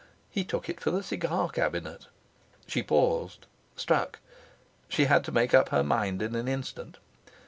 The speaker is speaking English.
He took it for the cigar cabinet! She paused, struck. She had to make up her mind in an instant.